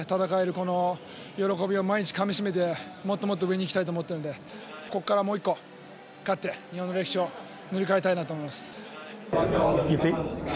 この喜びを毎日かみしめてもっともっと上に行きたいと思ってるんでここからもう１個勝って日本の歴史を塗り替えたいなと思います。